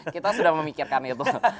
kita sudah memikirkan itu